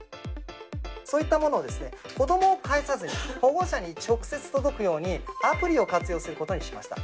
そういったものを子どもを介さずに、保護者に直接届くように、アプリを活用することにしました。